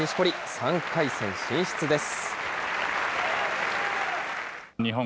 ３回戦進出です。